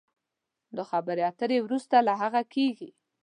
دا خبرې اترې وروسته له هغه کېږي